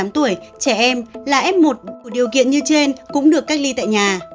trẻ em là f một đủ điều kiện như trên cũng được cách ly tại nhà